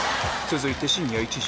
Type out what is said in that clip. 続いて深夜１時。